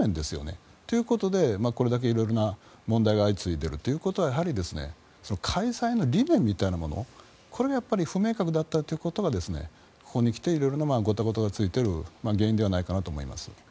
そういうことでこれだけいろいろな問題が相次いでいるということはやはり開催の理念みたいなものが不明確だったことがここにきていろいろなごたごたが続いている原因ではないかと思います。